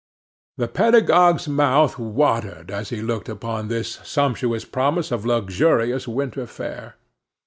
The pedagogue's mouth watered as he looked upon this sumptuous promise of luxurious winter fare.